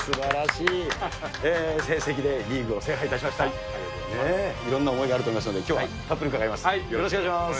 いろんな思いがあると思いますので、きょうはたっぷり伺います。